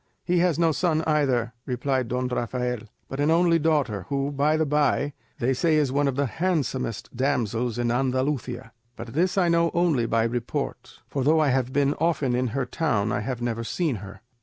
"He has no son either," replied Don Rafael, "but an only daughter, who, by the bye, they say is one of the handsomest damsels in Andalusia; but this I know only by report; for though I have been often in her town I have never seen her."